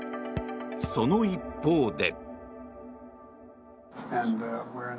その一方で。